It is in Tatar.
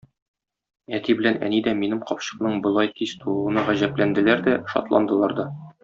Әти белән әни дә минем капчыкның болай тиз тулуына гаҗәпләнделәр дә, шатландылар да.